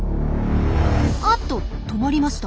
あっと止まりました。